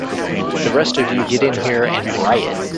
The rest of you get in here and riot!